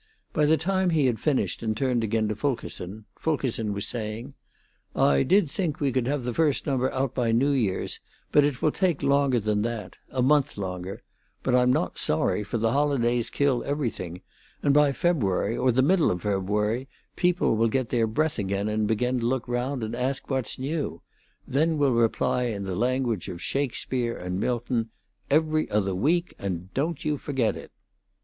By the time he had finished and turned again to Fulkerson, Fulkerson was saying: "I did think we could have the first number out by New Year's; but it will take longer than that a month longer; but I'm not sorry, for the holidays kill everything; and by February, or the middle of February, people will get their breath again and begin to look round and ask what's new. Then we'll reply in the language of Shakespeare and Milton, 'Every Other Week; and don't you forget it.'"